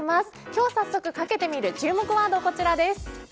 今日さっそくかけてみる注目ワードはこちらです。